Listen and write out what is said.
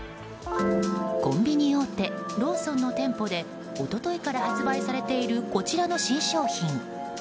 コンビニ大手ローソンの店舗で一昨日から発売されているこちらの新商品。